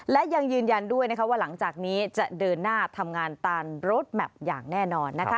และยังยืนยันด้วยว่าหลังจากนี้จะเดินหน้าทำงานตามรถแมพอย่างแน่นอน